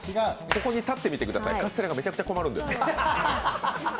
ここに立ってみてください、カステラがめちゃくちゃ困るんです。